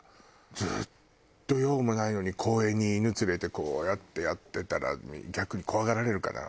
ずっと用もないのに公園に犬連れてこうやってやってたら逆に怖がられるかな？